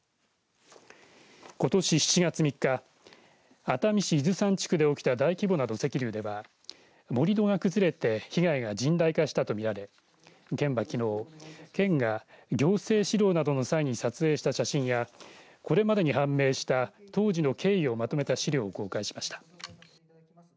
ことし７月３日熱海市伊豆山地区で起きた大規模な土石流では盛り土が崩れて被害が甚大化したとみられ県はきのう県が行政指導などの際に撮影した写真やこれまでに判明した当時の経緯をまとめた資料を公開しました。